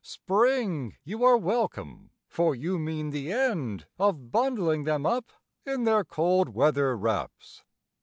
Spring, you are welcome, for you mean the end of Bundling them up in their cold weather wraps.